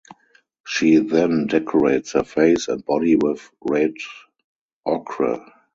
She then decorates her face and body with red ochre.